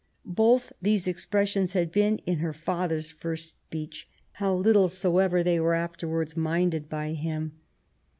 ^ Both these expres sions had been in her father's first speech, how little soever they were afterwards minded by him.''